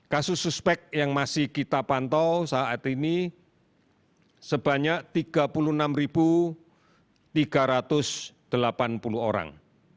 kasus suspek yang masih kita pantau saat ini sebanyak tiga puluh enam tiga ratus delapan puluh orang